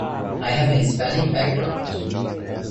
I have a Hispanic background